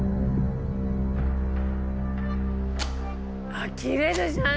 あっ切れるじゃん！